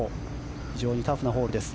４非常にタフなホールです。